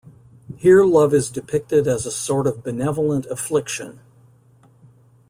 Here love is depicted as a sort of benevolent affliction.